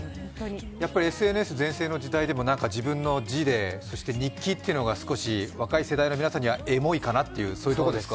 ＳＮＳ全盛の時代でも自分の字でそして日記というのが若い世代の皆さんにはエモいかなというそういうところですか？